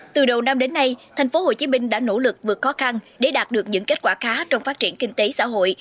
từ đầu năm đến nay tp hcm đã nỗ lực vượt khó khăn để đạt được những kết quả khá trong phát triển kinh tế xã hội